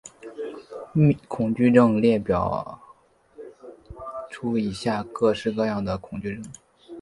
恐惧症列表列出以下各式各样的恐惧症。